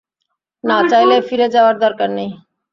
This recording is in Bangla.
না চাইলে, ফিরে যাওয়ার দরকার নেই।